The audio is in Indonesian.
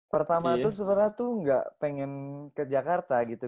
pertama tuh sebenarnya tuh gak pengen ke jakarta gitu